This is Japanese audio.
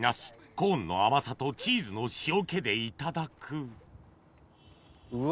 コーンの甘さとチーズの塩気でいただくうわ